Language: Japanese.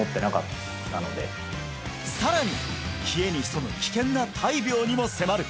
さらに冷えに潜む危険な大病にも迫る！